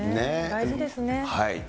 大事ですね。